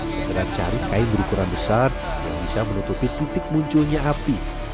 segera cari kain berukuran besar yang bisa menutupi titik munculnya api